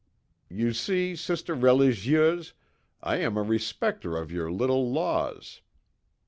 You see, Sister religieuse, I am a respecter of your little laws!"